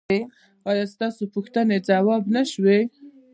ایا ستاسو پوښتنې ځواب نه شوې؟